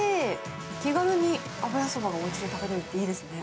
気軽に油そばがおうちで食べれるっていいですね。